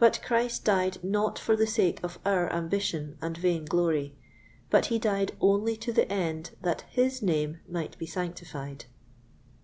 But Christ died not for the sake of our ambition and vain glory, but he died only to the end that his name might be sanctified.